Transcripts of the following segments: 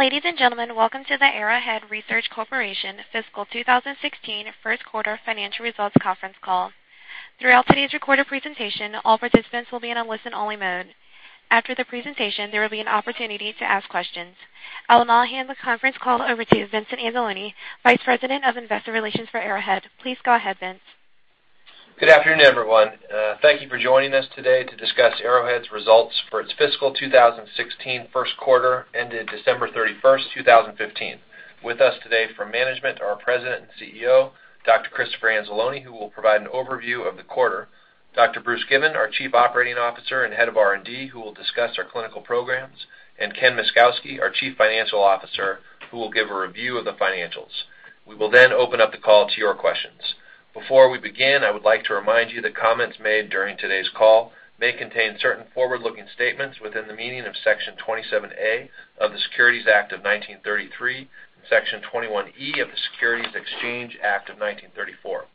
Ladies and gentlemen, welcome to the Arrowhead Research Corporation Fiscal 2016 First Quarter Financial Results Conference Call. Throughout today's recorded presentation, all participants will be in a listen-only mode. After the presentation, there will be an opportunity to ask questions. I will now hand the conference call over to Vincent Anzalone, Vice President of Investor Relations for Arrowhead. Please go ahead, Vince. Good afternoon, everyone. Thank you for joining us today to discuss Arrowhead's results for its fiscal 2016 first quarter ended December 31st, 2015. With us today from management are our President and CEO, Dr. Christopher Anzalone, who will provide an overview of the quarter. Dr. Bruce Given, our Chief Operating Officer and Head of R&D, who will discuss our clinical programs, Ken Myszkowski, our Chief Financial Officer, who will give a review of the financials. We will open up the call to your questions. Before we begin, I would like to remind you that comments made during today's call may contain certain forward-looking statements within the meaning of Section 27A of the Securities Act of 1933 and Section 21E of the Securities Exchange Act of 1934.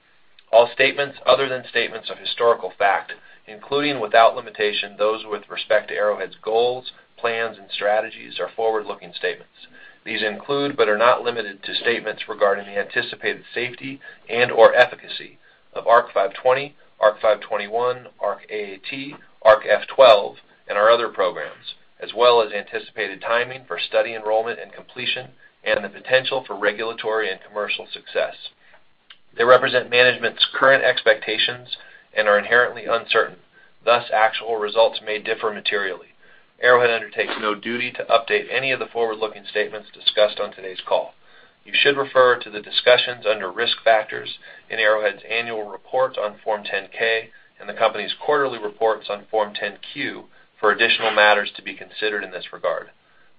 All statements other than statements of historical fact, including without limitation those with respect to Arrowhead's goals, plans and strategies, are forward-looking statements. These include but are not limited to statements regarding the anticipated safety and/or efficacy of ARC-520, ARC-521, ARC-AAT, ARC-F12, and our other programs, as well as anticipated timing for study enrollment and completion and the potential for regulatory and commercial success. They represent management's current expectations and are inherently uncertain, thus actual results may differ materially. Arrowhead undertakes no duty to update any of the forward-looking statements discussed on today's call. You should refer to the discussions under Risk Factors in Arrowhead's annual report on Form 10-K and the company's quarterly reports on Form 10-Q for additional matters to be considered in this regard.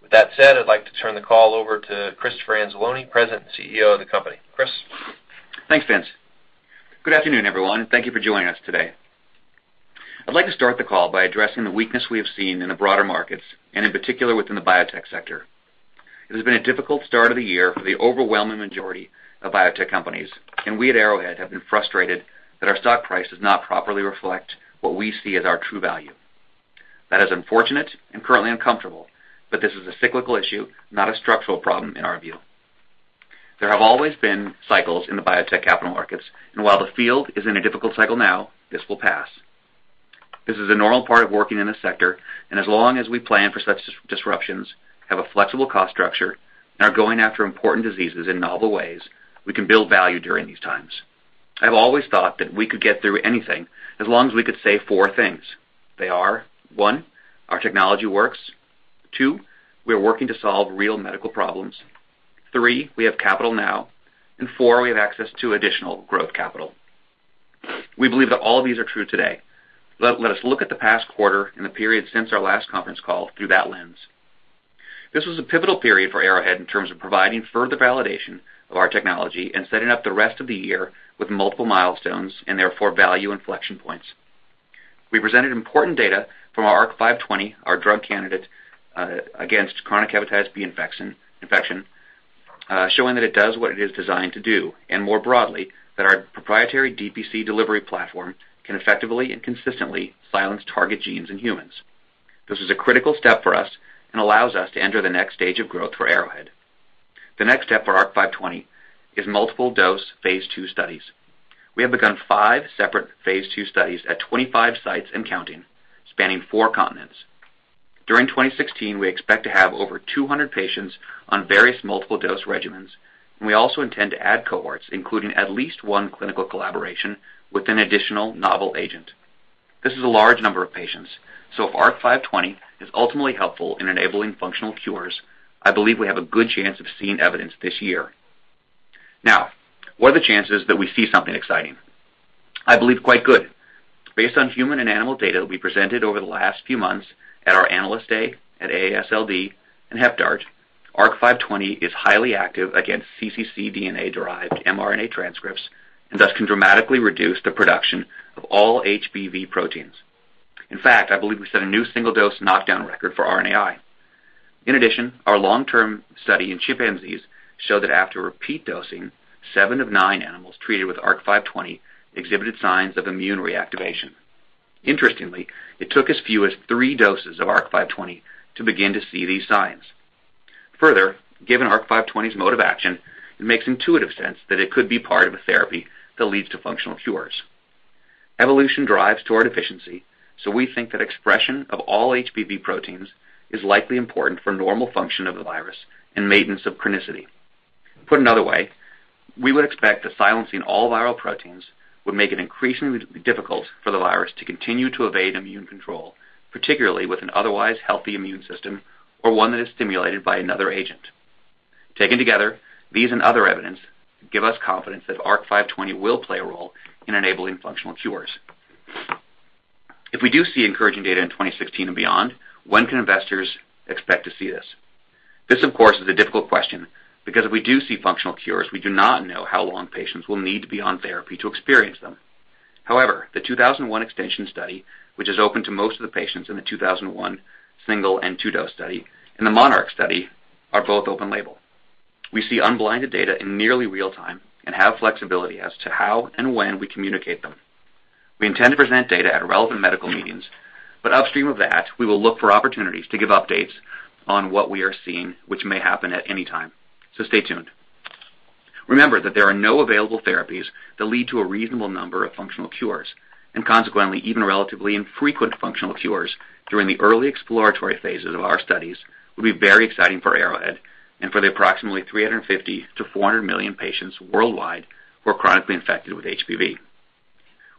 With that said, I'd like to turn the call over to Christopher Anzalone, President and CEO of the company. Chris? Thanks, Vince. Good afternoon, everyone, thank you for joining us today. I'd like to start the call by addressing the weakness we have seen in the broader markets and in particular within the biotech sector. It has been a difficult start of the year for the overwhelming majority of biotech companies, we at Arrowhead have been frustrated that our stock price does not properly reflect what we see as our true value. That is unfortunate and currently uncomfortable, this is a cyclical issue, not a structural problem in our view. There have always been cycles in the biotech capital markets, while the field is in a difficult cycle now, this will pass. This is a normal part of working in this sector. As long as we plan for such disruptions, have a flexible cost structure, and are going after important diseases in novel ways, we can build value during these times. I've always thought that we could get through anything as long as we could say four things. They are, one, our technology works. Two, we are working to solve real medical problems. Three, we have capital now, and four, we have access to additional growth capital. We believe that all of these are true today. Let us look at the past quarter and the period since our last conference call through that lens. This was a pivotal period for Arrowhead in terms of providing further validation of our technology and setting up the rest of the year with multiple milestones and therefore value inflection points. We presented important data from our ARC-520, our drug candidate, against chronic hepatitis B infection, showing that it does what it is designed to do, and more broadly, that our proprietary DPC delivery platform can effectively and consistently silence target genes in humans. This is a critical step for us and allows us to enter the next stage of growth for Arrowhead. The next step for ARC-520 is multiple-dose Phase II studies. We have begun five separate Phase II studies at 25 sites and counting, spanning four continents. During 2016, we expect to have over 200 patients on various multiple dose regimens. We also intend to add cohorts, including at least one clinical collaboration with an additional novel agent. This is a large number of patients. If ARC-520 is ultimately helpful in enabling functional cures, I believe we have a good chance of seeing evidence this year. What are the chances that we see something exciting? I believe quite good. Based on human and animal data we presented over the last few months at our Analyst Day, at AASLD, and HepDART, ARC-520 is highly active against cccDNA-derived mRNA transcripts and thus can dramatically reduce the production of all HBV proteins. In fact, I believe we set a new single-dose knockdown record for RNAi. In addition, our long-term study in chimpanzees showed that after repeat dosing, seven of nine animals treated with ARC-520 exhibited signs of immune reactivation. Interestingly, it took as few as three doses of ARC-520 to begin to see these signs. Further, given ARC-520's mode of action, it makes intuitive sense that it could be part of a therapy that leads to functional cures. Evolution drives toward efficiency. We think that expression of all HBV proteins is likely important for normal function of the virus and maintenance of chronicity. Put another way, we would expect that silencing all viral proteins would make it increasingly difficult for the virus to continue to evade immune control, particularly with an otherwise healthy immune system or one that is stimulated by another agent. Taken together, these and other evidence give us confidence that ARC-520 will play a role in enabling functional cures. If we do see encouraging data in 2016 and beyond, when can investors expect to see this? This, of course, is a difficult question because if we do see functional cures, we do not know how long patients will need to be on therapy to experience them. The 2001 extension study, which is open to most of the patients in the 2001 single and two-dose study and the MONARCH study are both open label. We see unblinded data in nearly real time and have flexibility as to how and when we communicate them. We intend to present data at relevant medical meetings, but upstream of that, we will look for opportunities to give updates on what we are seeing, which may happen at any time. Stay tuned. Remember that there are no available therapies that lead to a reasonable number of functional cures, and consequently, even relatively infrequent functional cures during the early exploratory phases of our studies would be very exciting for Arrowhead and for the approximately 350 million-400 million patients worldwide who are chronically infected with HBV.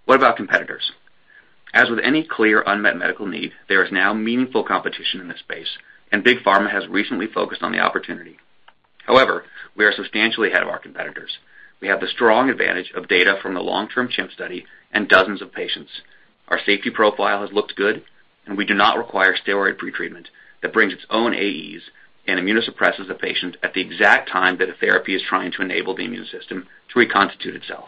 What about competitors? As with any clear unmet medical need, there is now meaningful competition in this space. Big Pharma has recently focused on the opportunity. We are substantially ahead of our competitors. We have the strong advantage of data from the long-term chimp study and dozens of patients. Our safety profile has looked good, and we do not require steroid pre-treatment that brings its own AEs and immunosuppresses the patient at the exact time that a therapy is trying to enable the immune system to reconstitute itself.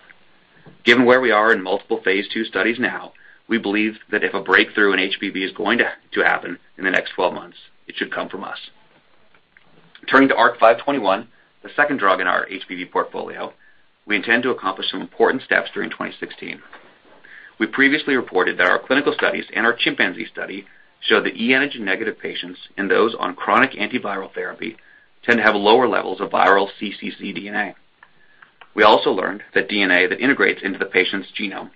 Given where we are in multiple phase II studies now, we believe that if a breakthrough in HBV is going to happen in the next 12 months, it should come from us. Turning to ARC-521, the second drug in our HBV portfolio, we intend to accomplish some important steps during 2016. We previously reported that our clinical studies and our chimpanzee study show that e-antigen negative patients and those on chronic antiviral therapy tend to have lower levels of viral cccDNA. We also learned that DNA that integrates into the patient's genome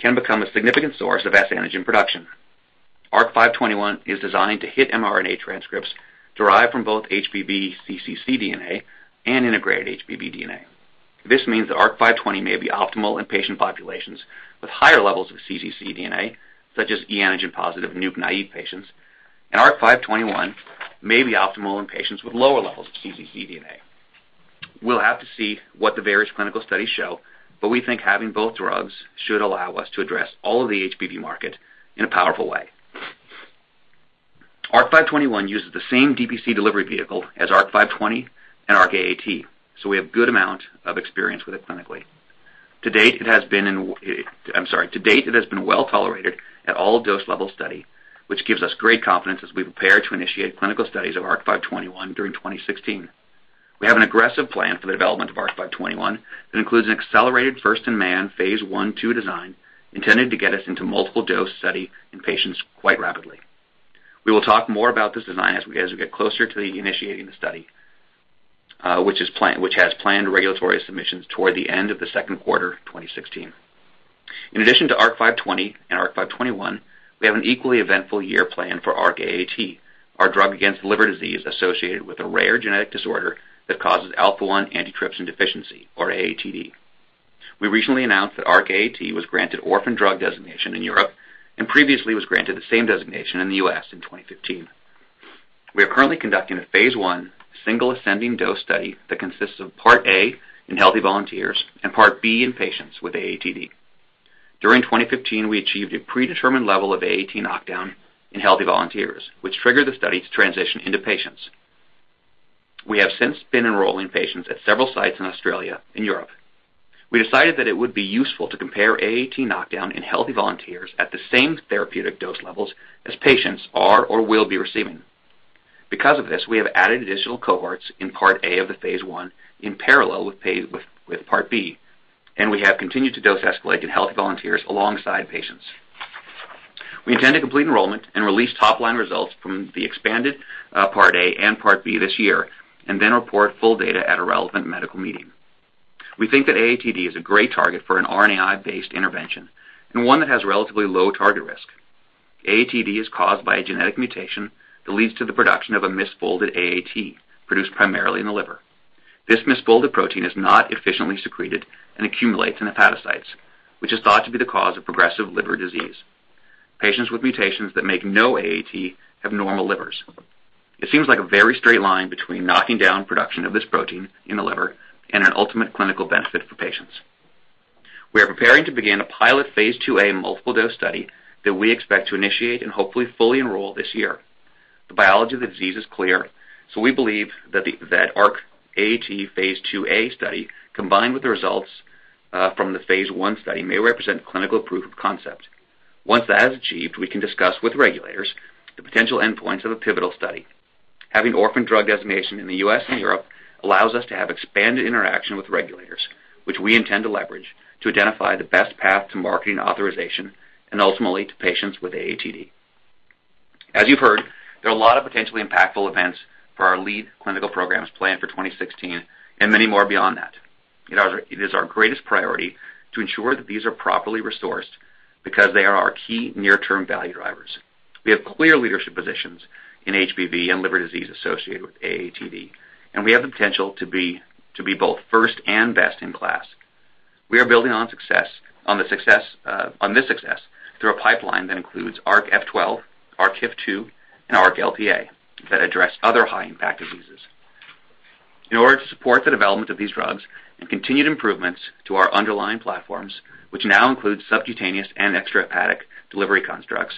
can become a significant source of S antigen production. ARC-521 is designed to hit mRNA transcripts derived from both HBV cccDNA and integrated HBV DNA. This means that ARC-520 may be optimal in patient populations with higher levels of cccDNA, such as e-antigen positive NUC-naive patients. ARC-521 may be optimal in patients with lower levels of cccDNA. We'll have to see what the various clinical studies show, but we think having both drugs should allow us to address all of the HBV market in a powerful way. ARC-521 uses the same DPC delivery vehicle as ARC-520 and ARC-AAT. We have good amount of experience with it clinically. To date, it has been well-tolerated at all dose level study, which gives us great confidence as we prepare to initiate clinical studies of ARC-521 during 2016. We have an aggressive plan for the development of ARC-521 that includes an accelerated first-in-man phase I, II design intended to get us into multiple dose study in patients quite rapidly. We will talk more about this design as we get closer to initiating the study, which has planned regulatory submissions toward the end of the second quarter 2016. In addition to ARC-520 and ARC-521, we have an equally eventful year plan for ARC-AAT, our drug against liver disease associated with a rare genetic disorder that causes alpha-1 antitrypsin deficiency, or AATD. We recently announced that ARC-AAT was granted orphan drug designation in Europe and previously was granted the same designation in the U.S. in 2015. We are currently conducting a phase I single ascending dose study that consists of part A in healthy volunteers and part B in patients with AATD. During 2015, we achieved a predetermined level of AAT knockdown in healthy volunteers, which triggered the study to transition into patients. We have since been enrolling patients at several sites in Australia and Europe. We decided that it would be useful to compare AAT knockdown in healthy volunteers at the same therapeutic dose levels as patients are or will be receiving. Because of this, we have added additional cohorts in part A of the phase I in parallel with part B, and we have continued to dose escalate in healthy volunteers alongside patients. We intend to complete enrollment and release top-line results from the expanded part A and part B this year and then report full data at a relevant medical meeting. We think that AATD is a great target for an RNAi-based intervention and one that has relatively low target risk. AATD is caused by a genetic mutation that leads to the production of a misfolded AAT produced primarily in the liver. This misfolded protein is not efficiently secreted and accumulates in hepatocytes, which is thought to be the cause of progressive liver disease. Patients with mutations that make no AAT have normal livers. It seems like a very straight line between knocking down production of this protein in the liver and an ultimate clinical benefit for patients. We are preparing to begin a pilot phase II multiple dose study that we expect to initiate and hopefully fully enroll this year. The biology of the disease is clear. We believe that ARC-AAT phase II study, combined with the results from the phase I study, may represent clinical proof of concept. Once that is achieved, we can discuss with regulators the potential endpoints of a pivotal study. Having orphan drug designation in the U.S. and Europe allows us to have expanded interaction with regulators, which we intend to leverage to identify the best path to marketing authorization and ultimately to patients with AATD. As you've heard, there are a lot of potentially impactful events for our lead clinical programs planned for 2016 and many more beyond that. It is our greatest priority to ensure that these are properly resourced because they are our key near-term value drivers. We have clear leadership positions in HBV and liver disease associated with AATD, and we have the potential to be both first and best in class. We are building on this success through a pipeline that includes ARC-F12, ARC-HIF2, and ARC-LPA that address other high-impact diseases. In order to support the development of these drugs and continued improvements to our underlying platforms, which now include subcutaneous and extrahepatic delivery constructs,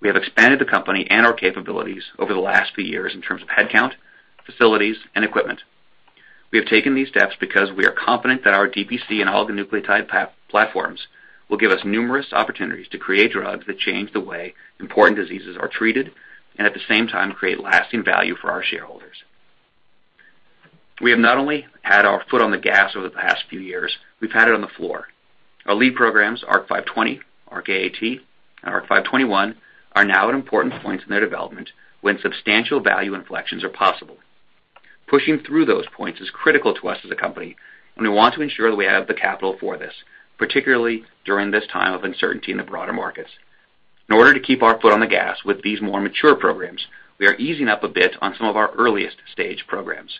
we have expanded the company and our capabilities over the last few years in terms of headcount, facilities, and equipment. We have taken these steps because we are confident that our DPC and oligonucleotide platforms will give us numerous opportunities to create drugs that change the way important diseases are treated, and at the same time, create lasting value for our shareholders. We have not only had our foot on the gas over the past few years, we've had it on the floor. Our lead programs, ARC-520, ARC-AAT, and ARC-521, are now at important points in their development when substantial value inflections are possible. Pushing through those points is critical to us as a company, and we want to ensure that we have the capital for this, particularly during this time of uncertainty in the broader markets. In order to keep our foot on the gas with these more mature programs, we are easing up a bit on some of our earliest-stage programs.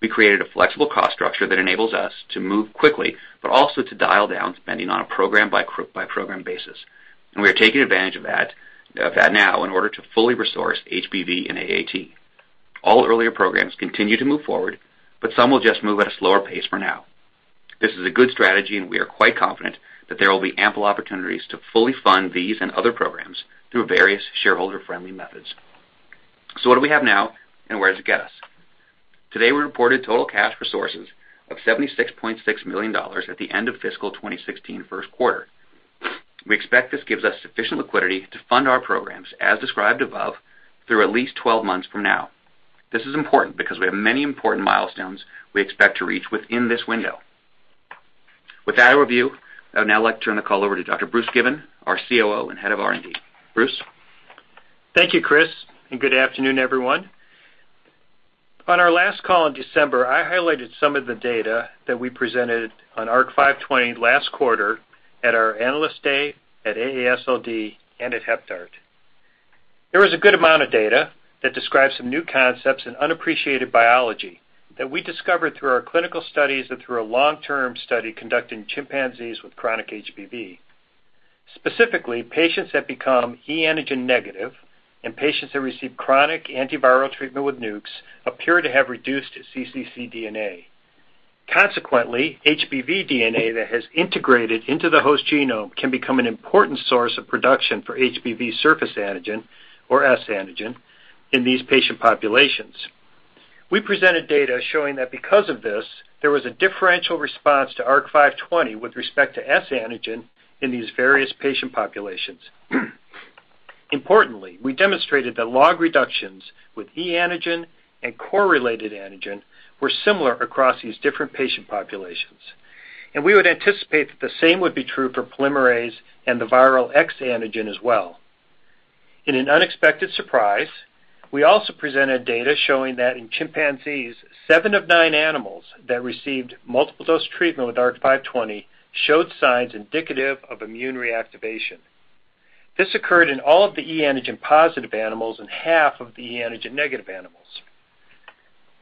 We created a flexible cost structure that enables us to move quickly, but also to dial down spending on a program-by-program basis, and we are taking advantage of that now in order to fully resource HBV and AAT. All earlier programs continue to move forward, but some will just move at a slower pace for now. This is a good strategy, and we are quite confident that there will be ample opportunities to fully fund these and other programs through various shareholder-friendly methods. What do we have now, and where does it get us? Today, we reported total cash resources of $76.6 million at the end of fiscal 2016 first quarter. We expect this gives us sufficient liquidity to fund our programs as described above through at least 12 months from now. This is important because we have many important milestones we expect to reach within this window. With that overview, I would now like to turn the call over to Dr. Bruce Given, our COO and Head of R&D. Bruce? Thank you, Chris, and good afternoon, everyone. On our last call in December, I highlighted some of the data that we presented on ARC-520 last quarter at our Analyst Day, at AASLD, and at HepDART. There was a good amount of data that describes some new concepts in unappreciated biology that we discovered through our clinical studies and through a long-term study conducted in chimpanzees with chronic HBV. Specifically, patients that become e-antigen negative and patients that receive chronic antiviral treatment with NUCs appear to have reduced cccDNA. Consequently, HBV DNA that has integrated into the host genome can become an important source of production for HBV surface antigen, or S antigen, in these patient populations. We presented data showing that because of this, there was a differential response to ARC-520 with respect to S antigen in these various patient populations. Importantly, we demonstrated that log reductions with e-antigen and core-related antigen were similar across these different patient populations, and we would anticipate that the same would be true for polymerase and the viral X antigen as well. In an unexpected surprise, we also presented data showing that in chimpanzees, seven of nine animals that received multiple dose treatment with ARC-520 showed signs indicative of immune reactivation. This occurred in all of the e-antigen positive animals and half of the e-antigen negative animals.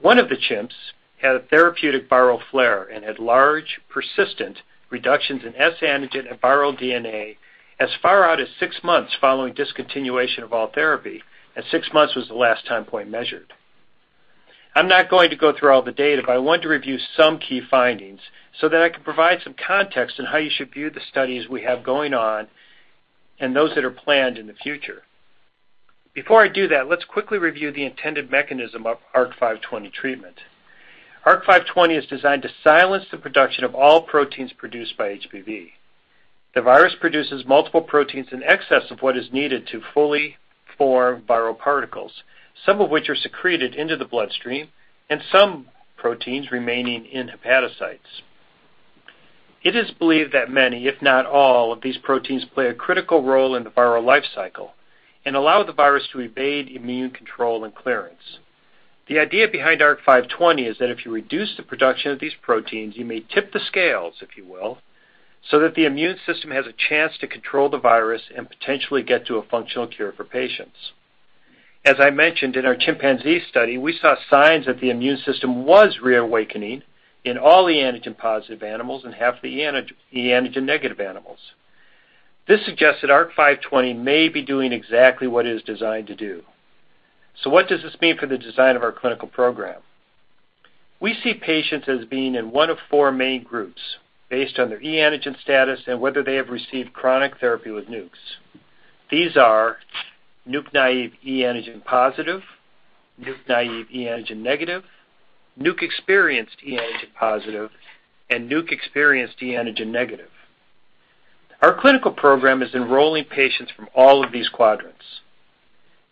One of the chimps had a therapeutic viral flare and had large, persistent reductions in S antigen and viral DNA as far out as six months following discontinuation of all therapy, and six months was the last time point measured. I'm not going to go through all the data, but I want to review some key findings so that I can provide some context on how you should view the studies we have going on and those that are planned in the future. Before I do that, let's quickly review the intended mechanism of ARC-520 treatment. ARC-520 is designed to silence the production of all proteins produced by HBV. The virus produces multiple proteins in excess of what is needed to fully form viral particles, some of which are secreted into the bloodstream, and some proteins remaining in hepatocytes. It is believed that many, if not all, of these proteins play a critical role in the viral life cycle and allow the virus to evade immune control and clearance. The idea behind ARC-520 is that if you reduce the production of these proteins, you may tip the scales, if you will, so that the immune system has a chance to control the virus and potentially get to a functional cure for patients. As I mentioned in our chimpanzee study, we saw signs that the immune system was reawakening in all e-antigen positive animals and half the e-antigen negative animals. This suggests that ARC-520 may be doing exactly what it is designed to do. What does this mean for the design of our clinical program? We see patients as being in 1 of 4 main groups based on their e-antigen status and whether they have received chronic therapy with NUCs. These are NUC-naïve, e-antigen positive, NUC-naïve, e-antigen negative, NUC-experienced, e-antigen positive, and NUC-experienced, e-antigen negative. Our clinical program is enrolling patients from all of these quadrants.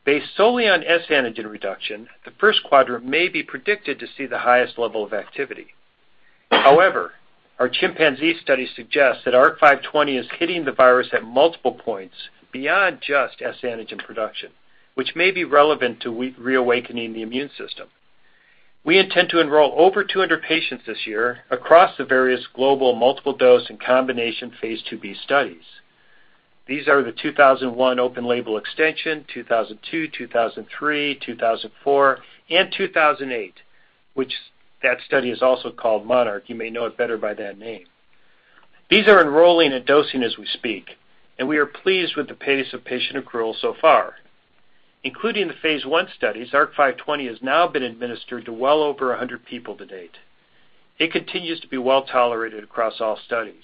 Based solely on S antigen reduction, the first quadrant may be predicted to see the highest level of activity. However, our chimpanzee study suggests that ARC-520 is hitting the virus at multiple points beyond just S antigen production, which may be relevant to reawakening the immune system. We intend to enroll over 200 patients this year across the various global multiple dose and combination Phase IIb studies. These are the 2001 open label extension, 2002, 2003, 2004, and 2008, which that study is also called MONARCH. You may know it better by that name. These are enrolling and dosing as we speak, and we are pleased with the pace of patient accrual so far. Including the Phase I studies, ARC-520 has now been administered to well over 100 people to date. It continues to be well-tolerated across all studies.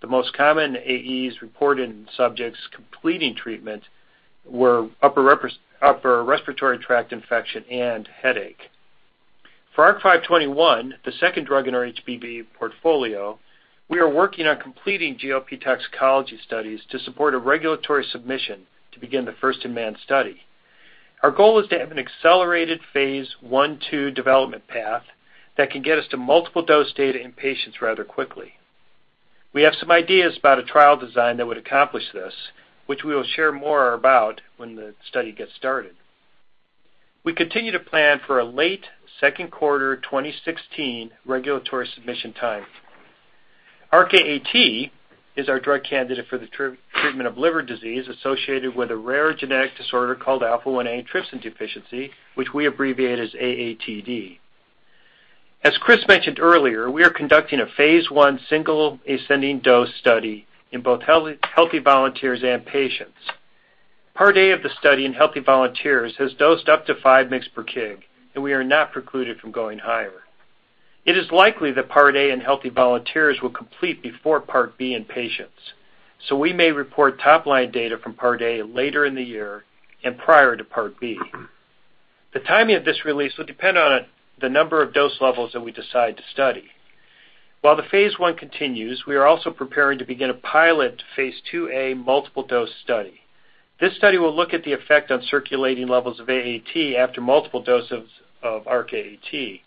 The most common AEs reported in subjects completing treatment were upper respiratory tract infection and headache. For ARC-521, the second drug in our HBV portfolio, we are working on completing GLP toxicology studies to support a regulatory submission to begin the first-in-man study. Our goal is to have an accelerated Phase I/II development path that can get us to multiple dose data in patients rather quickly. We have some ideas about a trial design that would accomplish this, which we will share more about when the study gets started. We continue to plan for a late second quarter 2016 regulatory submission time. ARC-AAT is our drug candidate for the treatment of liver disease associated with a rare genetic disorder called alpha-1 antitrypsin deficiency, which we abbreviate as AATD. As Chris mentioned earlier, we are conducting a Phase I single ascending dose study in both healthy volunteers and patients. Part A of the study in healthy volunteers has dosed up to five mg per kg, and we are not precluded from going higher. It is likely that Part A in healthy volunteers will complete before Part B in patients. We may report top-line data from Part A later in the year and prior to Part B. The timing of this release will depend on the number of dose levels that we decide to study. While the phase I continues, we are also preparing to begin a pilot phase IIa multiple-dose study. This study will look at the effect on circulating levels of AAT after multiple doses of ARC-AAT.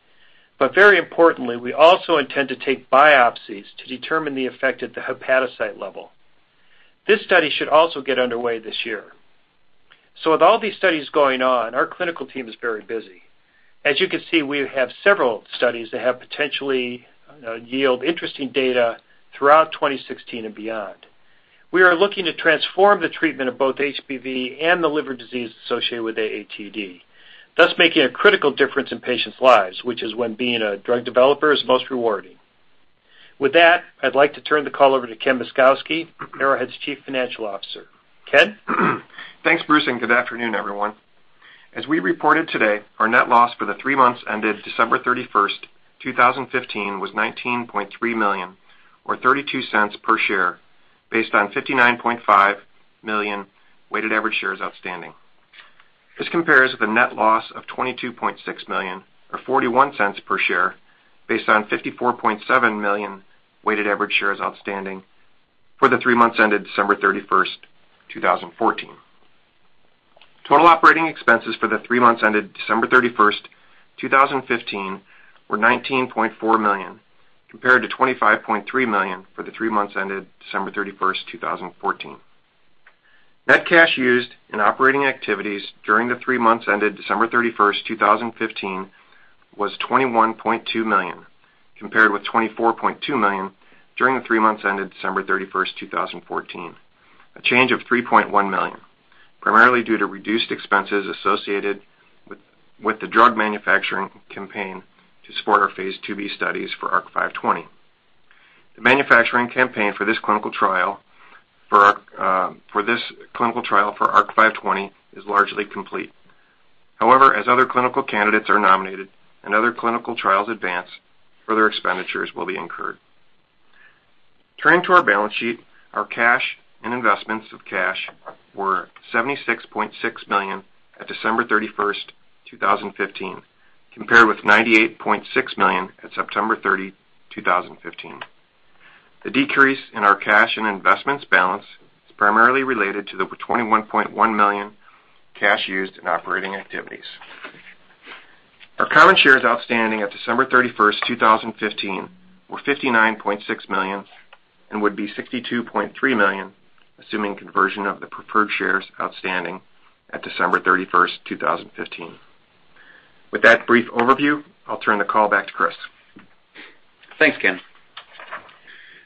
But very importantly, we also intend to take biopsies to determine the effect at the hepatocyte level. This study should also get underway this year. With all these studies going on, our clinical team is very busy. As you can see, we have several studies that have potentially yield interesting data throughout 2016 and beyond. We are looking to transform the treatment of both HBV and the liver disease associated with AATD, thus making a critical difference in patients' lives, which is when being a drug developer is most rewarding. With that, I'd like to turn the call over to Ken Myszkowski, Arrowhead's Chief Financial Officer. Ken? Thanks, Bruce, and good afternoon, everyone. As we reported today, our net loss for the three months ended December 31, 2015, was $19.3 million, or $0.32 per share, based on 59.5 million weighted average shares outstanding. This compares with a net loss of $22.6 million, or $0.41 per share, based on 54.7 million weighted average shares outstanding for the three months ended December 31, 2014. Total operating expenses for the three months ended December 31, 2015, were $19.4 million, compared to $25.3 million for the three months ended December 31, 2014. Net cash used in operating activities during the three months ended December 31, 2015, was $21.2 million, compared with $24.2 million during the three months ended December 31, 2014. A change of $3.1 million, primarily due to reduced expenses associated with the drug manufacturing campaign to support our phase IIb studies for ARC-520. The manufacturing campaign for this clinical trial for ARC-520 is largely complete. However, as other clinical candidates are nominated and other clinical trials advance, further expenditures will be incurred. Turning to our balance sheet, our cash and investments of cash were $76.6 million at December 31, 2015, compared with $98.6 million at September 30, 2015. The decrease in our cash and investments balance is primarily related to the $21.1 million cash used in operating activities. Our common shares outstanding at December 31, 2015, were $59.6 million and would be $62.3 million, assuming conversion of the preferred shares outstanding at December 31, 2015. With that brief overview, I'll turn the call back to Chris. Thanks, Ken.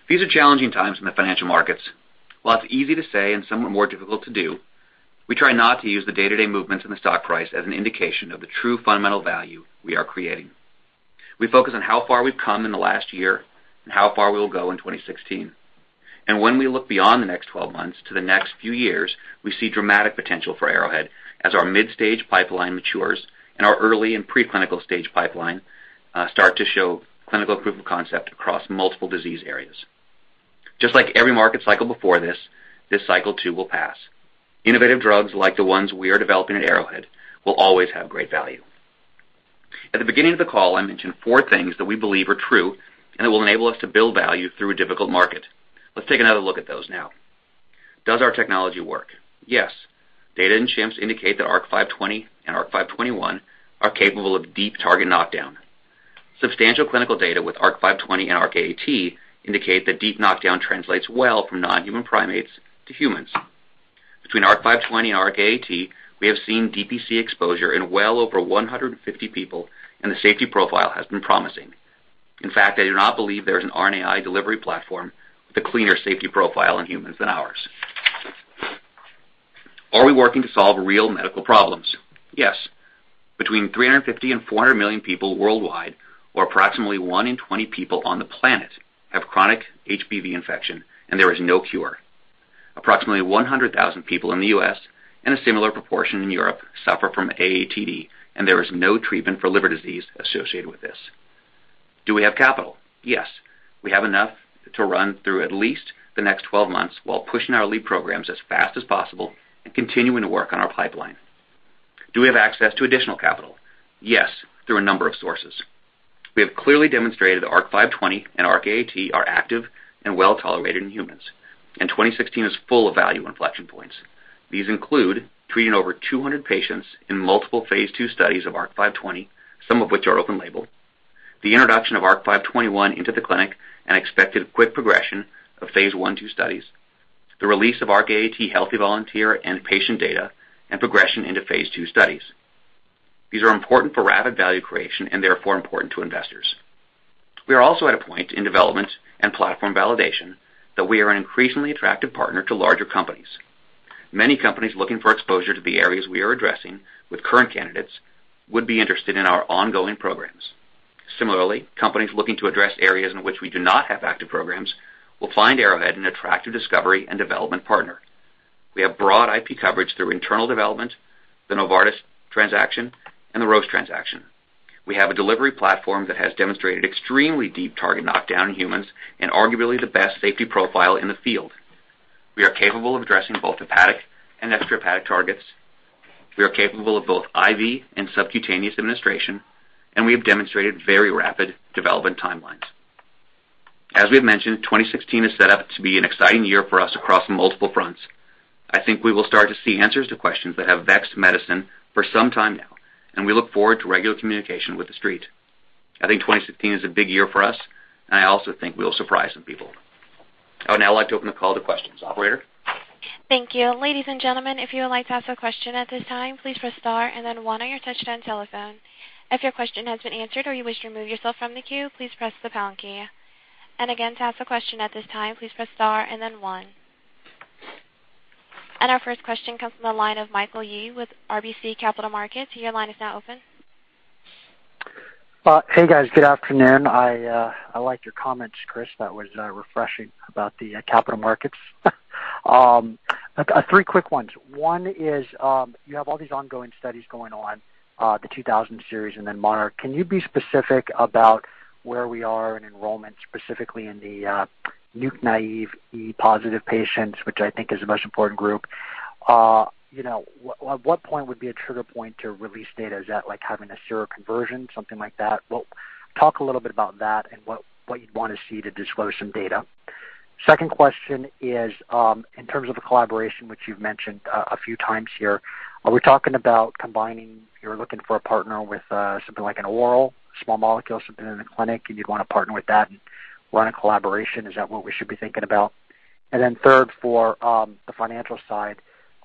These are challenging times in the financial markets. While it's easy to say and somewhat more difficult to do, we try not to use the day-to-day movements in the stock price as an indication of the true fundamental value we are creating. We focus on how far we've come in the last year and how far we will go in 2016. When we look beyond the next 12 months to the next few years, we see dramatic potential for Arrowhead as our mid-stage pipeline matures and our early and preclinical stage pipeline start to show clinical proof of concept across multiple disease areas. Just like every market cycle before this cycle too will pass. Innovative drugs like the ones we are developing at Arrowhead will always have great value. At the beginning of the call, I mentioned four things that we believe are true and that will enable us to build value through a difficult market. Let's take another look at those now. Does our technology work? Yes. Data in chimps indicate that ARC-520 and ARC-521 are capable of deep target knockdown. Substantial clinical data with ARC-520 and ARC-AAT indicate that deep knockdown translates well from non-human primates to humans. Between ARC-520 and ARC-AAT, we have seen DPC exposure in well over 150 people, and the safety profile has been promising. In fact, I do not believe there is an RNAi delivery platform with a cleaner safety profile in humans than ours. Are we working to solve real medical problems? Yes. Between 350 and 400 million people worldwide, or approximately one in 20 people on the planet, have chronic HBV infection, and there is no cure. Approximately 100,000 people in the U.S. and a similar proportion in Europe suffer from AATD, and there is no treatment for liver disease associated with this. Do we have capital? Yes, we have enough to run through at least the next 12 months while pushing our lead programs as fast as possible and continuing to work on our pipeline. Do we have access to additional capital? Yes, through a number of sources. We have clearly demonstrated ARC-520 and ARC-AAT are active and well-tolerated in humans, and 2016 is full of value inflection points. These include treating over 200 patients in multiple phase II studies of ARC-520, some of which are open label, the introduction of ARC-521 into the clinic, and expected quick progression of phase I, II studies, the release of ARC-AAT healthy volunteer and patient data, and progression into phase II studies. These are important for rapid value creation and therefore important to investors. We are also at a point in development and platform validation that we are an increasingly attractive partner to larger companies. Many companies looking for exposure to the areas we are addressing with current candidates would be interested in our ongoing programs. Similarly, companies looking to address areas in which we do not have active programs will find Arrowhead an attractive discovery and development partner. We have broad IP coverage through internal development, the Novartis transaction, and the Roche transaction. We have a delivery platform that has demonstrated extremely deep target knockdown in humans and arguably the best safety profile in the field. We are capable of addressing both hepatic and extrahepatic targets. We are capable of both IV and subcutaneous administration, and we have demonstrated very rapid development timelines. As we have mentioned, 2016 is set up to be an exciting year for us across multiple fronts. I think we will start to see answers to questions that have vexed medicine for some time now, and we look forward to regular communication with the street. I think 2016 is a big year for us, and I also think we'll surprise some people. I would now like to open the call to questions. Operator? Thank you. Ladies and gentlemen, if you would like to ask a question at this time, please press star and then one on your touch-tone telephone. If your question has been answered or you wish to remove yourself from the queue, please press the pound key. Again, to ask a question at this time, please press star and then one. Our first question comes from the line of Michael Yee with RBC Capital Markets. Your line is now open. Hey, guys. Good afternoon. I liked your comments, Chris. That was refreshing about the capital markets. Three quick ones. One is, you have all these ongoing studies going on, the 2000 series and then MONARCH. Can you be specific about where we are in enrollment, specifically in the NUC-naive e-antigen positive patients, which I think is the most important group? At what point would be a trigger point to release data? Is that like having a seroconversion, something like that? Talk a little bit about that and what you'd want to see to disclose some data. Second question is, in terms of the collaboration, which you've mentioned a few times here, are we talking about combining, you're looking for a partner with something like an oral small molecule, something in the clinic, and you'd want to partner with that and run a collaboration. Is that what we should be thinking about? Third, for the financial side,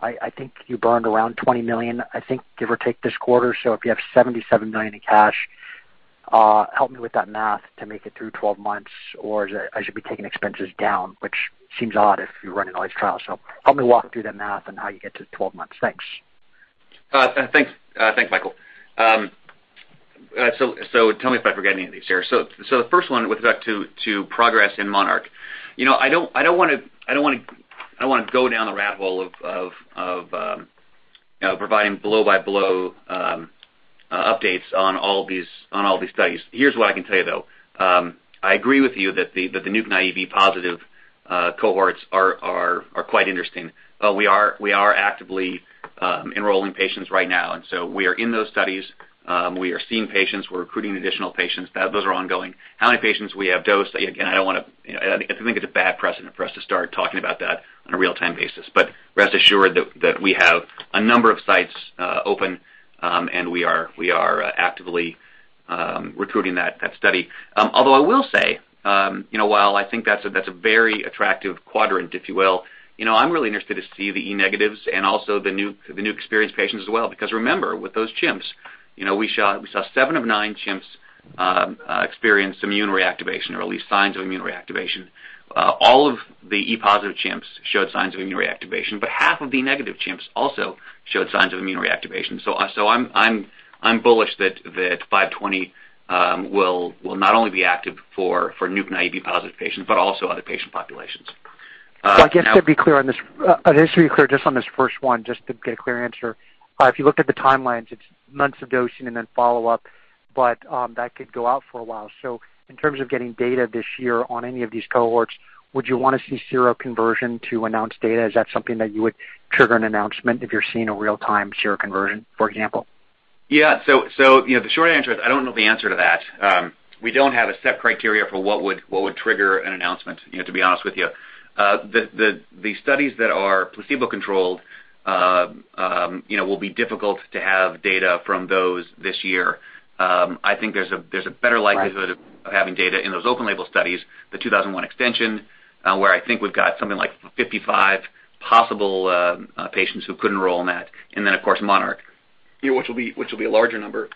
I think you burned around $20 million, give or take this quarter. If you have $77 million in cash, help me with that math to make it through 12 months. I should be taking expenses down, which seems odd if you're running all these trials. Help me walk through the math on how you get to 12 months. Thanks. Thanks, Michael. Tell me if I forget any of these here. The first one with respect to progress in MONARCH. I don't want to go down the rabbit hole of providing blow-by-blow updates on all these studies. Here's what I can tell you, though. I agree with you that the NUC-naive e-positive cohorts are quite interesting. We are actively enrolling patients right now, we are in those studies. We are seeing patients. We're recruiting additional patients. Those are ongoing. How many patients we have dosed, again, I think it's a bad precedent for us to start talking about that on a real-time basis. Rest assured that we have a number of sites open, and we are actively recruiting that study. Although I will say, while I think that's a very attractive quadrant, if you will, I'm really interested to see the e-negatives and also the NUC-experienced patients as well. Remember, with those chimps, we saw seven of nine chimps experience immune reactivation or at least signs of immune reactivation. All of the e-positive chimps showed signs of immune reactivation, but half of the negative chimps also showed signs of immune reactivation. I'm bullish that 520 will not only be active for NUC-naive e-positive patients, but also other patient populations. I guess, just to be clear on this first one, just to get a clear answer. If you looked at the timelines, it's months of dosing and then follow-up, but that could go out for a while. In terms of getting data this year on any of these cohorts, would you want to see seroconversion to announce data? Is that something that you would trigger an announcement if you're seeing a real-time seroconversion, for example? Yeah. The short answer is I don't know the answer to that. We don't have a set criteria for what would trigger an announcement, to be honest with you. The studies that are placebo-controlled will be difficult to have data from those this year. I think there's a better likelihood of having data in those open label studies, the 2001 extension, where I think we've got something like 55 possible patients who could enroll in that, then, of course, MONARCH, which will be a larger number.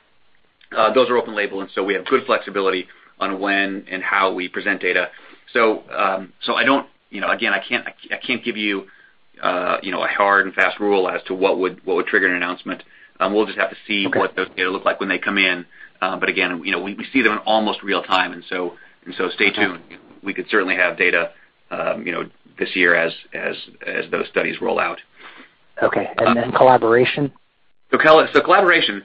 Those are open label, we have good flexibility on when and how we present data. Again, I can't give you a hard and fast rule as to what would trigger an announcement. We'll just have to see what those data look like when they come in. Again, we see them in almost real time, stay tuned. We could certainly have data this year as those studies roll out. Okay. Collaboration? Collaboration.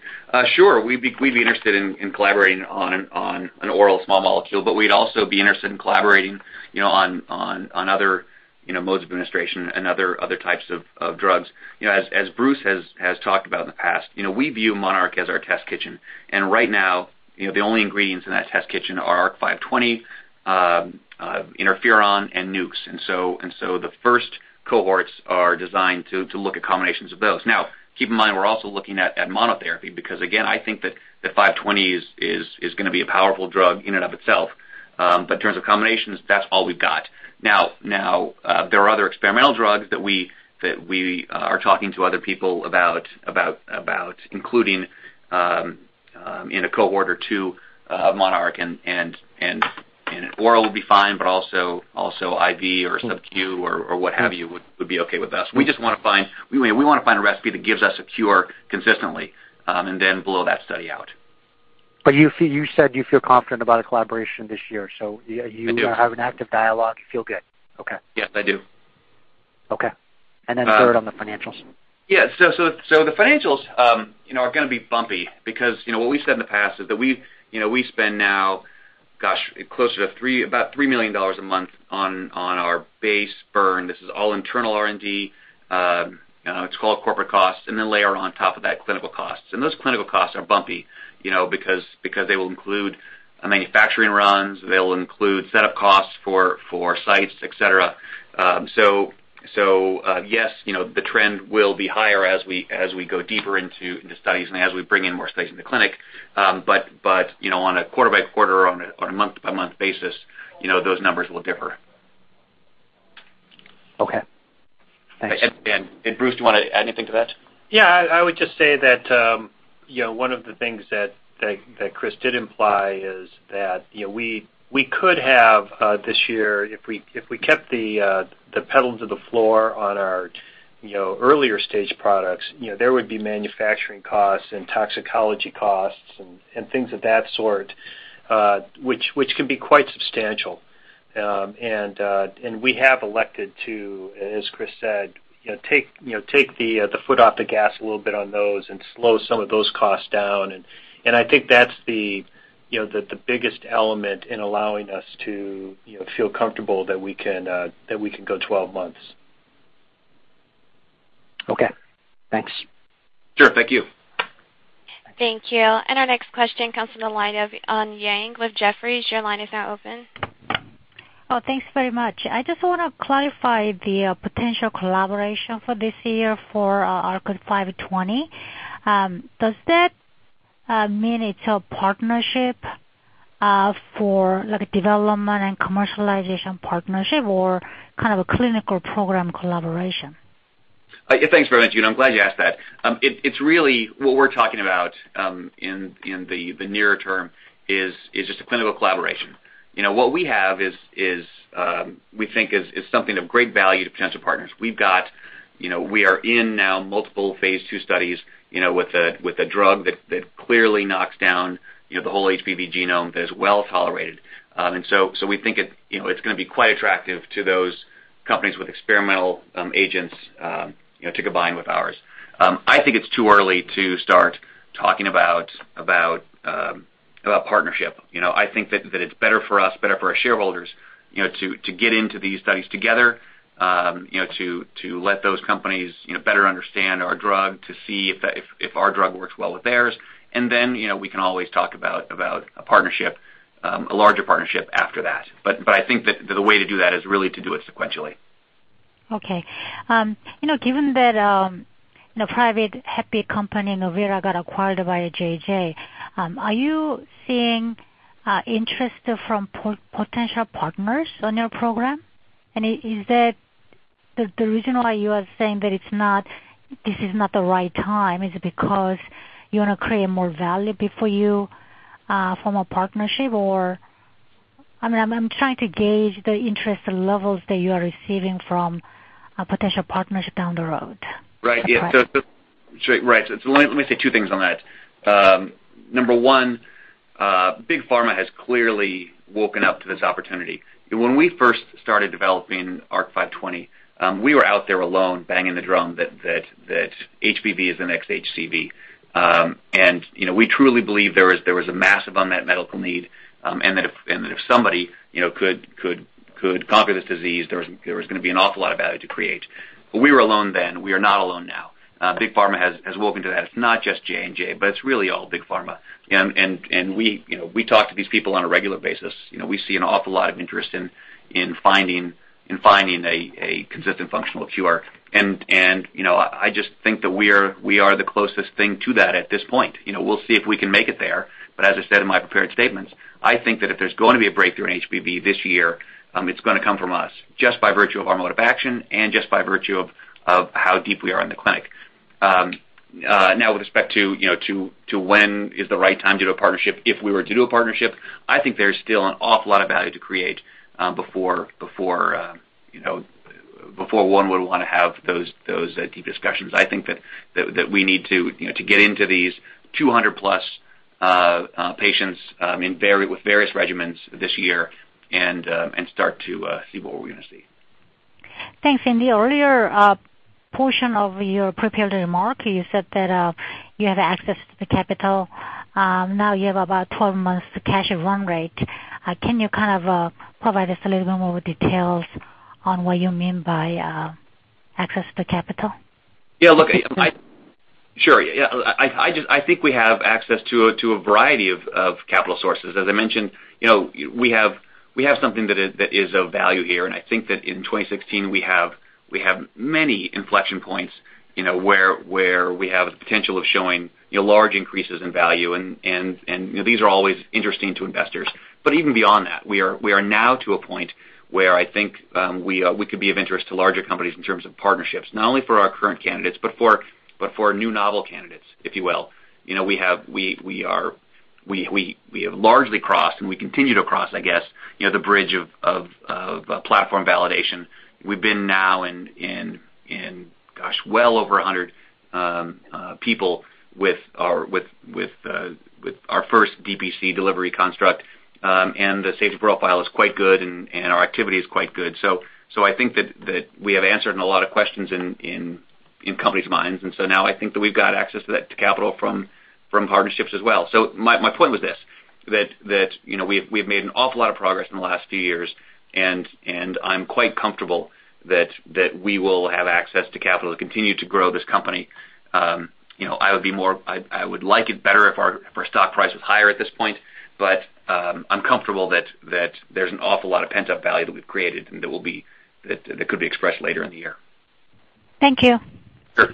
Sure, we'd be interested in collaborating on an oral small molecule, we'd also be interested in collaborating on other modes of administration and other types of drugs. As Bruce Given has talked about in the past, we view MONARCH as our test kitchen, right now, the only ingredients in that test kitchen are ARC-520, interferon, and NUCs. The first cohorts are designed to look at combinations of those. Now, keep in mind, we're also looking at monotherapy, because again, I think that the 520 is going to be a powerful drug in and of itself. In terms of combinations, that's all we've got. There are other experimental drugs that we are talking to other people about including in a cohort or two of MONARCH and an oral would be fine, but also IV or SubQ or what have you would be okay with us. We want to find a recipe that gives us a cure consistently, blow that study out. You said you feel confident about a collaboration this year. I do. You have an active dialogue. You feel good? Okay. Yes, I do. Okay. Then third on the financials. Yeah. The financials are going to be bumpy because what we've said in the past is that we spend now, gosh, closer to about $3 million a month on our base burn. This is all internal R&D. It's called corporate costs. Then layer on top of that clinical costs. Those clinical costs are bumpy, because they will include manufacturing runs, they'll include setup costs for sites, et cetera. Yes, the trend will be higher as we go deeper into the studies and as we bring in more studies in the clinic. On a quarter by quarter, on a month by month basis, those numbers will differ. Okay. Thanks. Bruce, do you want to add anything to that? Yeah, I would just say that one of the things that Chris did imply is that we could have this year, if we kept the pedal to the floor on our earlier stage products, there would be manufacturing costs and toxicology costs and things of that sort, which can be quite substantial. We have elected to, as Chris said, take the foot off the gas a little bit on those and slow some of those costs down. I think that's the biggest element in allowing us to feel comfortable that we can go 12 months. Okay. Thanks. Sure. Thank you. Thank you. Our next question comes from the line of Eun Yang with Jefferies. Your line is now open. Oh, thanks very much. I just want to clarify the potential collaboration for this year for ARC-520. Does that mean it's a partnership for development and commercialization partnership or kind of a clinical program collaboration? Thanks very much, Eun. I'm glad you asked that. It's really what we're talking about in the nearer term is just a clinical collaboration. What we have is, we think is something of great value to potential partners. We are in now multiple phase II studies with a drug that clearly knocks down the whole HBV genome, that is well-tolerated. So we think it's going to be quite attractive to those companies with experimental agents to combine with ours. I think it's too early to start talking about partnership. I think that it's better for us, better for our shareholders to get into these studies together, to let those companies better understand our drug, to see if our drug works well with theirs. Then we can always talk about a larger partnership after that. I think that the way to do that is really to do it sequentially. Okay. Given that private hep B company, Novira, got acquired by JJ, are you seeing interest from potential partners on your program? Is the reason why you are saying that this is not the right time, is it because you want to create more value before you form a partnership? I'm trying to gauge the interest levels that you are receiving from potential partners down the road. Right. Let me say two things on that. Number one, big pharma has clearly woken up to this opportunity. When we first started developing ARC-520, we were out there alone banging the drum that HBV is the next HCV. We truly believe there was a massive unmet medical need and that if somebody could conquer this disease, there was going to be an awful lot of value to create. We were alone then. We are not alone now. Big pharma has woken to that. It's not just J&J, but it's really all big pharma. We talk to these people on a regular basis. We see an awful lot of interest in finding a consistent functional cure. I just think that we are the closest thing to that at this point. We'll see if we can make it there, as I said in my prepared statements, I think that if there's going to be a breakthrough in HBV this year, it's going to come from us. Just by virtue of our mode of action and just by virtue of how deep we are in the clinic. Now with respect to when is the right time to do a partnership, if we were to do a partnership, I think there's still an awful lot of value to create before one would want to have those deep discussions. I think that we need to get into these 200+ patients with various regimens this year and start to see what we're going to see. Thanks, Eun. Earlier portion of your prepared remark, you said that you have access to the capital. Now you have about 12 months to cash at run rate. Can you kind of provide us a little bit more details on what you mean by access to capital? Yeah. Sure. I think we have access to a variety of capital sources. As I mentioned, we have something that is of value here, and I think that in 2016, we have many inflection points, where we have the potential of showing large increases in value and these are always interesting to investors. Even beyond that, we are now to a point where I think we could be of interest to larger companies in terms of partnerships, not only for our current candidates, but for our new novel candidates, if you will. We have largely crossed, and we continue to cross, I guess, the bridge of platform validation. We've been now in, gosh, well over 100 people with our first DPC delivery construct. The safety profile is quite good, and our activity is quite good. I think that we have answered a lot of questions in companies' minds. Now I think that we've got access to that capital from partnerships as well. My point was this, that we've made an awful lot of progress in the last few years, and I'm quite comfortable that we will have access to capital to continue to grow this company. I would like it better if our stock price was higher at this point, but I'm comfortable that there's an awful lot of pent-up value that we've created and that could be expressed later in the year. Thank you. Sure.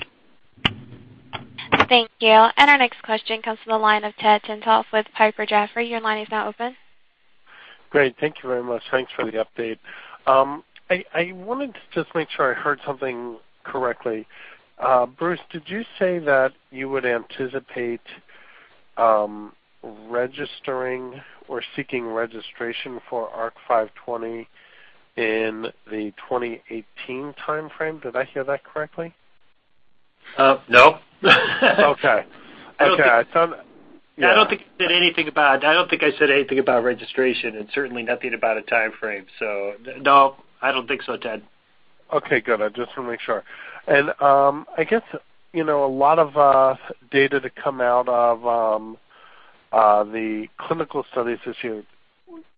Thank you. Our next question comes from the line of Ted Tenthoff with Piper Jaffray. Your line is now open. Great. Thank you very much. Thanks for the update. I wanted to just make sure I heard something correctly. Bruce, did you say that you would anticipate registering or seeking registration for ARC-520 in the 2018 timeframe? Did I hear that correctly? No. Okay. I don't think I said anything about registration, and certainly nothing about a timeframe. No, I don't think so, Ted. Okay, good. I just want to make sure. I guess, a lot of data to come out of the clinical studies this year.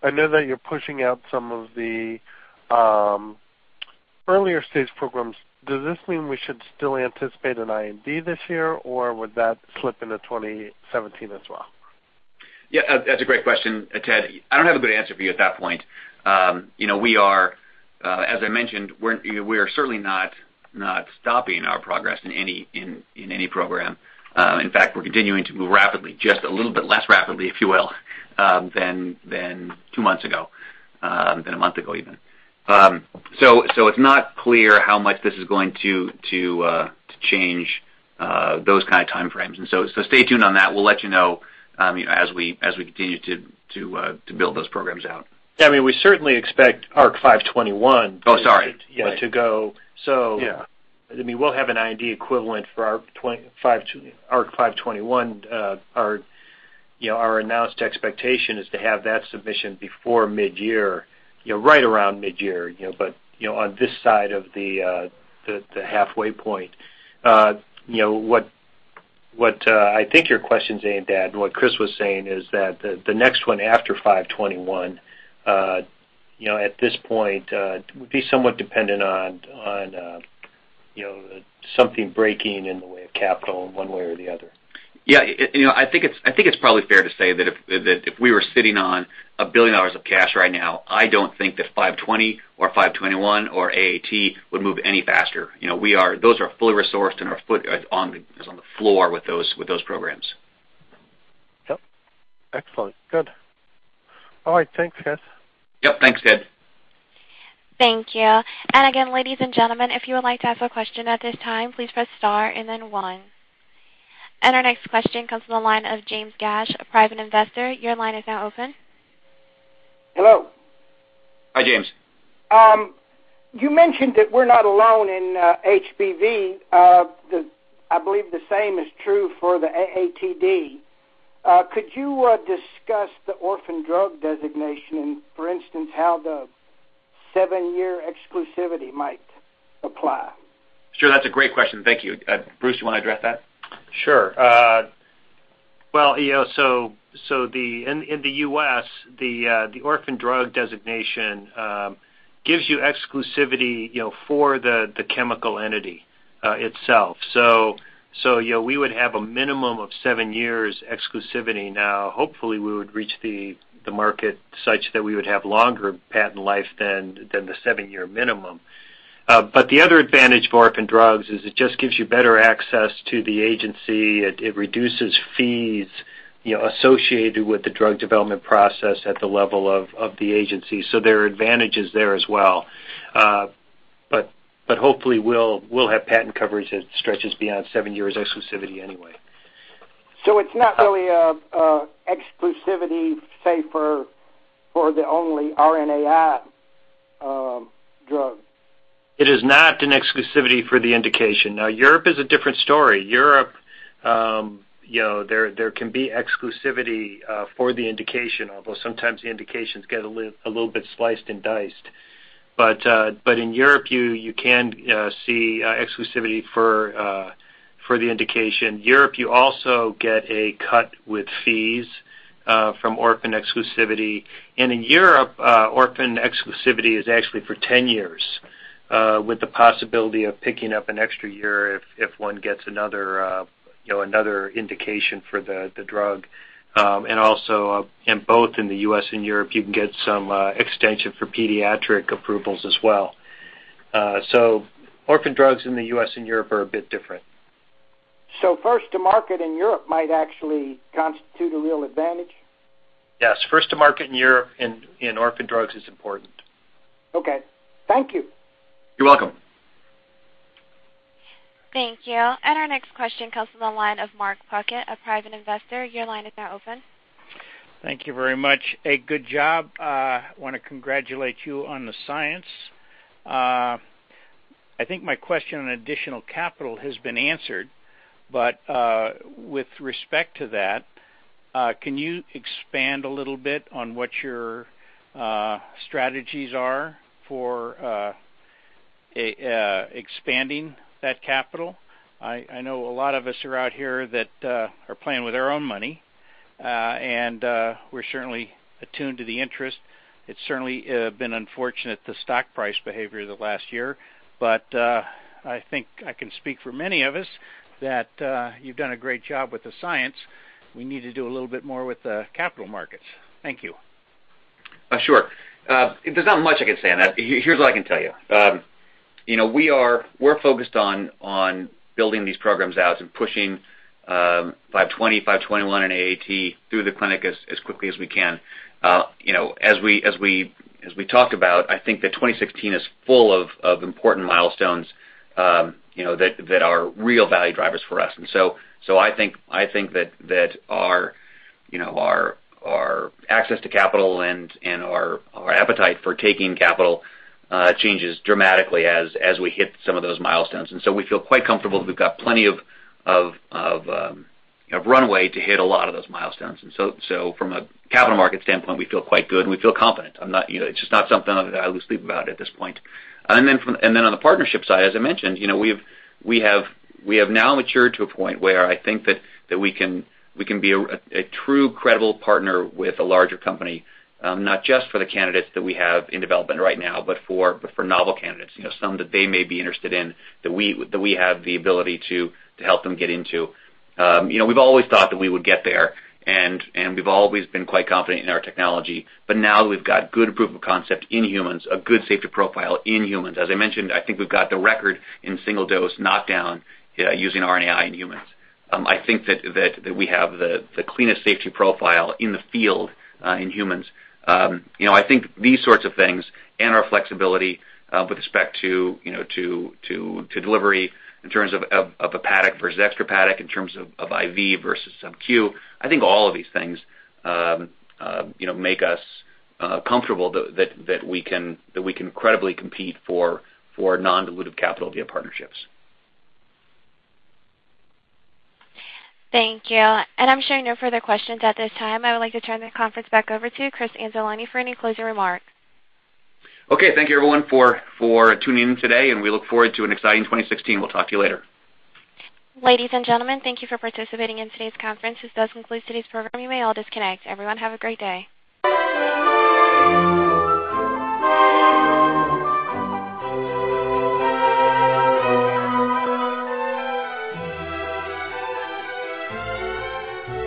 I know that you're pushing out some of the earlier stage programs. Does this mean we should still anticipate an IND this year, or would that slip into 2017 as well? Yeah, that's a great question, Ted. I don't have a good answer for you at that point. As I mentioned, we're certainly not stopping our progress in any program. In fact, we're continuing to move rapidly, just a little bit less rapidly, if you will, than two months ago, than a month ago, even. It's not clear how much this is going to change those kind of timeframes. Stay tuned on that. We'll let you know as we continue to build those programs out. I mean, we certainly expect ARC-521- Oh, sorry to go, so- Yeah I mean, we'll have an IND equivalent for ARC-521. Our announced expectation is to have that submission before mid-year, right around mid-year, but on this side of the halfway point. What I think your question's aimed at, and what Chris was saying is that the next one after 521, at this point, would be somewhat dependent on something breaking in the way of capital in one way or the other. Yeah. I think it's probably fair to say that if we were sitting on $1 billion of cash right now, I don't think that ARC-520 or ARC-521 or AAT would move any faster. Those are fully resourced, and our foot is on the floor with those programs. Yep. Excellent. Good. All right. Thanks, guys. Yep. Thanks, Ted. Thank you. Again, ladies and gentlemen, if you would like to ask a question at this time, please press star and then one. Our next question comes from the line of James Gash, a private investor. Your line is now open. Hello. Hi, James. You mentioned that we're not alone in HBV. I believe the same is true for the AATD. Could you discuss the orphan drug designation and, for instance, how the seven-year exclusivity might apply? Sure. That's a great question. Thank you. Bruce, you want to address that? Sure. Well, in the U.S., the orphan drug designation gives you exclusivity for the chemical entity itself. We would have a minimum of seven years exclusivity now. Hopefully, we would reach the market such that we would have longer patent life than the seven-year minimum. The other advantage for orphan drugs is it just gives you better access to the agency. It reduces fees associated with the drug development process at the level of the agency. There are advantages there as well. Hopefully, we'll have patent coverage that stretches beyond seven years exclusivity anyway. It's not really an exclusivity, say, for the only RNAi drug. It is not an exclusivity for the indication. Europe is a different story. Europe, there can be exclusivity for the indication, although sometimes the indications get a little bit sliced and diced. In Europe, you can see exclusivity for the indication. Europe, you also get a cut with fees from orphan exclusivity. In Europe, orphan exclusivity is actually for 10 years, with the possibility of picking up an extra year if one gets another indication for the drug. Also, in both in the U.S. and Europe, you can get some extension for pediatric approvals as well. Orphan drugs in the U.S. and Europe are a bit different. First to market in Europe might actually constitute a real advantage? Yes. First to market in Europe in orphan drugs is important. Okay. Thank you. You're welcome. Thank you. Our next question comes from the line of Mark Puckett, a private investor. Your line is now open. Thank you very much. A good job. I want to congratulate you on the science. I think my question on additional capital has been answered, with respect to that, can you expand a little bit on what your strategies are for expanding that capital? I know a lot of us are out here that are playing with our own money, we're certainly attuned to the interest. It's certainly been unfortunate, the stock price behavior the last year. I think I can speak for many of us that you've done a great job with the science. We need to do a little bit more with the capital markets. Thank you. Sure. There's not much I can say on that. Here's what I can tell you. We're focused on building these programs out and pushing ARC-520, ARC-521, and ARC-AAT through the clinic as quickly as we can. As we talk about, I think that 2016 is full of important milestones that are real value drivers for us. I think that our access to capital and our appetite for taking capital changes dramatically as we hit some of those milestones. We feel quite comfortable that we've got plenty of runway to hit a lot of those milestones. From a capital market standpoint, we feel quite good, and we feel confident. It's just not something that I lose sleep about at this point. On the partnership side, as I mentioned, we have now matured to a point where I think that we can be a true, credible partner with a larger company, not just for the candidates that we have in development right now, but for novel candidates, some that they may be interested in, that we have the ability to help them get into. We've always thought that we would get there, and we've always been quite confident in our technology. Now that we've got good proof of concept in humans, a good safety profile in humans, as I mentioned, I think we've got the record in single-dose knockdown using RNAi in humans. I think that we have the cleanest safety profile in the field in humans. I think these sorts of things and our flexibility with respect to delivery in terms of hepatic versus extrahepatic, in terms of IV versus SubQ, I think all of these things make us comfortable that we can credibly compete for non-dilutive capital via partnerships. Thank you. I'm showing no further questions at this time. I would like to turn the conference back over to Christopher Anzalone for any closing remarks. Okay. Thank you everyone for tuning in today, and we look forward to an exciting 2016. We'll talk to you later. Ladies and gentlemen, thank you for participating in today's conference. This does conclude today's program. You may all disconnect. Everyone have a great day.